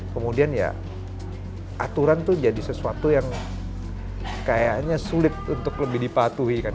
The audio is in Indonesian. kemudian ya aturan tuh jadi sesuatu yang kayaknya sulit untuk lebih dipatuhi kan